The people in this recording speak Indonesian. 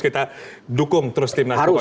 kita dukung terus tim nasional